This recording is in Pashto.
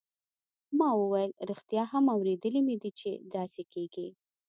ما وویل ریښتیا هم اوریدلي مې دي چې داسې کیږي.